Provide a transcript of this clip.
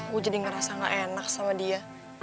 gue jadi ngerasa gak enak sama dia